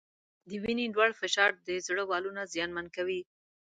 د وینې لوړ فشار د زړه والونه زیانمن کوي.